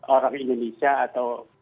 orang indonesia atau